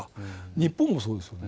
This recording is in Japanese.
日本もそうですよね。